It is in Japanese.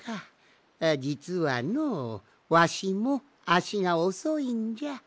じつはのわしもあしがおそいんじゃ。